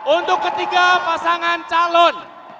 untuk ketiga pasangan calon